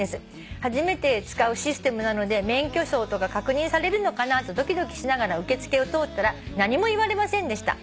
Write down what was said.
「初めて使うシステムなので免許証とか確認されるのかなとドキドキしながら受付を通ったら何も言われませんでした。